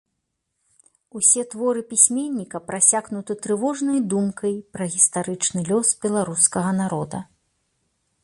Усе творы пісьменніка прасякнуты трывожнай думкай пра гістарычны лёс беларускага народа.